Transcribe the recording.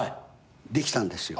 できたんですよ。